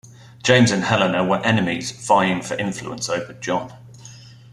James and Helena were enemies, vying for influence over John.